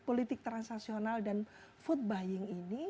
politik transaksional dan food buying ini